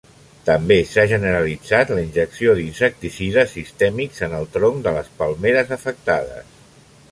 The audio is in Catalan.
També s'ha generalitzat la injecció d'insecticides sistèmics en el tronc de les palmeres afectades.